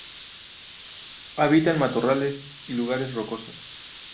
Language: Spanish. Habita en matorrales y lugares rocosos.